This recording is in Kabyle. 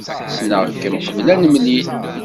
Ssneɣ-kem qbel ad nemlil.